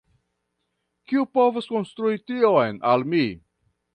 Kiu povas instrui tion al mi?